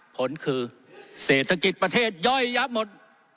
ผลคือเศรษฐกิจประเทศย่อยยับหมด